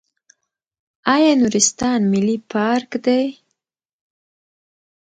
آیا نورستان ملي پارک دی؟